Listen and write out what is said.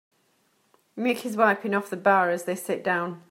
Nick is wiping off the bar as they sit down.